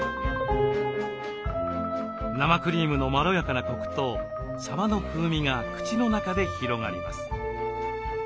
生クリームのまろやかなコクとさばの風味が口の中で広がります。